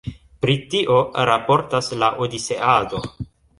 Pri tio raportas la Odiseado.